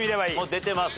出てますよ。